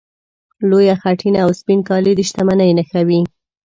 لویه خېټه او سپین کالي د شتمنۍ نښې وې.